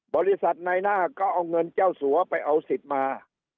บริษัทในหน้าก็เอาเงินเจ้าสัวไปเอาสิทธิ์มา